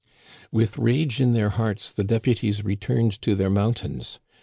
" With rage in their hearts, the deputies returned to their mountains.